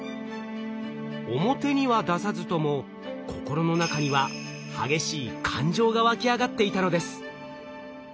表には出さずとも心の中には激しい感情がわき上がっていたのです。